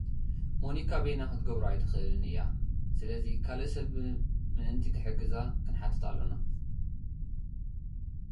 ሞኒካ በይና ኽትገብሮ ኣይትኽእልን እያ፡ ስለዚ ካልእ ሰብ ምእንቲ ክሕግዛ ኽንሓትት ኣሎና።